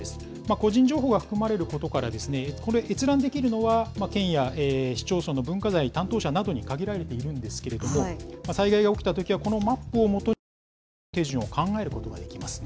個人情報が含まれることから、これ、閲覧できるのは県や市町村の文化財の担当者などに限られているんですけれども、災害が起きたときはこのマップをもとに救出の手順を考えることができます。